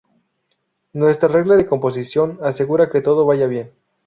Nuestra regla de composición asegura que todo vaya bien.